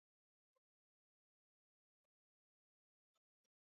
ngana na benki ya dunia sherehe hizo za uhuru